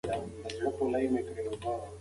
کلیوالي ژوند ساده او طبیعي دی.